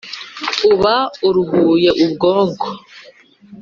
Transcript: uba uruhuye ubwonko